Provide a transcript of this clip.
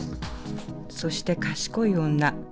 そして賢い女。